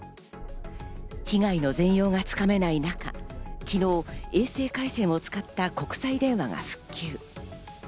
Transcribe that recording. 被害の全容が掴めない中、昨日、衛星回線を使った国際電話は復旧。